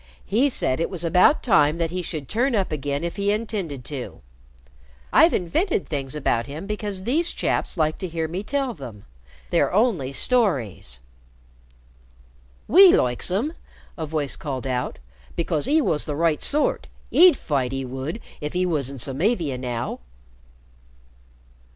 He said it was about time that he should turn up again if he intended to. I've invented things about him because these chaps like to hear me tell them. They're only stories." "We likes 'im," a voice called out, "becos 'e wos the right sort; 'e'd fight, 'e would, if 'e was in Samavia now."